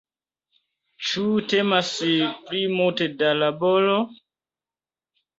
Ĉu temas pri multe da laboro?